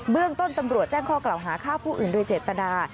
เรื่องต้นตำรวจแจ้งข้อกล่าวหาฆ่าผู้อื่นโดยเจตนา